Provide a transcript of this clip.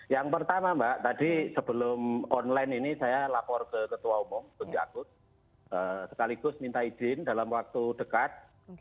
yang pertama mbak tadi sebelum online ini saya lapor ke ketua umum gus yakut sekaligus minta izin dalam waktu dekat